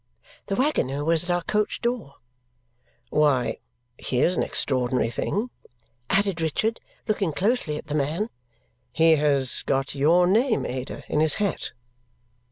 The waggoner was at our coach door. "Why, here's an extraordinary thing!" added Richard, looking closely at the man. "He has got your name, Ada, in his hat!"